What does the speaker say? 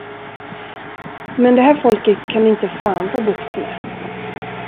Men det här folket kan inte fan få bukt med.